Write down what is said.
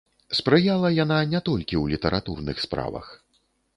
Спрыяла яна не толькі ў літаратурных справах.